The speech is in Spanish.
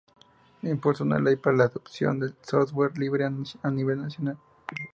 Impulsó una ley para la adopción del Software Libre a nivel nacional.